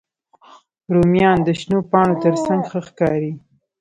رومیان د شنو پاڼو تر څنګ ښه ښکاري